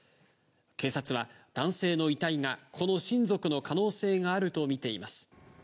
警察は男性の遺体がこの親族の可能性があると見ています。